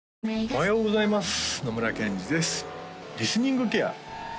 おはようございます